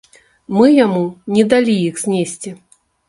Мы яму не далі іх знесці.